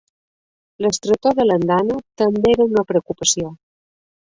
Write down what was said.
L'estretor de l'andana també era una preocupació.